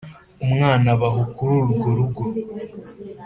Umwana aba aho kuri urwo rugo